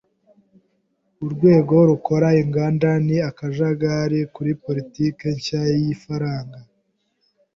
Urwego rukora inganda ni akajagari kuri politiki nshya y’ifaranga.